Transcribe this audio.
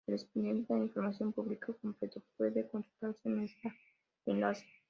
El expediente de Información Pública completo puede consultarse en este enlace.